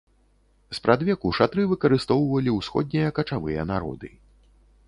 Спрадвеку шатры выкарыстоўвалі ўсходнія качавыя народы.